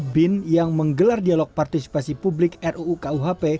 bin yang menggelar dialog partisipasi publik ruukuhp